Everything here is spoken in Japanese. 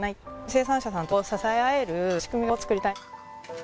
生産者さんを支え合える仕組みをつくりたい。